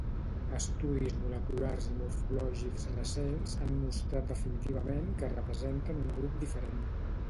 Estudis moleculars i morfològics recents han mostrat definitivament que representen un grup diferent